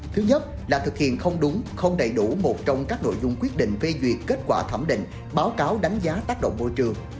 thứ nhất là thực hiện không đúng không đầy đủ một trong các nội dung quyết định phê duyệt kết quả thẩm định báo cáo đánh giá tác động môi trường